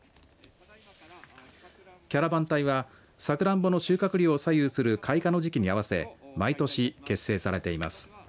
キャラバン隊はさくらんぼの収穫量を左右する開花の時期に合わせ毎年、結成されています。